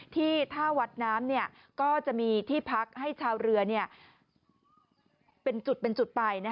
ที่ท่าวัดน้ำก็จะมีที่พักให้ชาวเรือเป็นจุดเป็นจุดไป